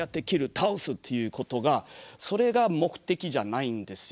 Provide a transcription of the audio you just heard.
倒すっていうことがそれが目的じゃないんですよ。